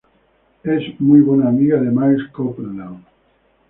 Es muy buena amiga de Miles Copeland.